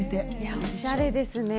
おしゃれですね。